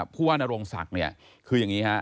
ผู้ว่านโรงศักดิ์เนี่ยคืออย่างนี้ฮะ